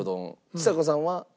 ちさ子さんは？